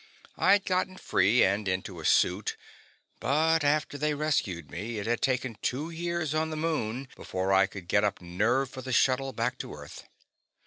I'd gotten free and into a suit, but after they rescued me, it had taken two years on the Moon before I could get up nerve for the shuttle back to Earth.